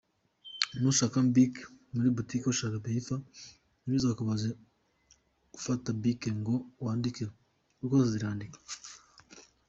Nusanga Bic muri boutique washakaga Beifa, ntibizakubuze gufata Bic ngo wandike kuko zose zirandika.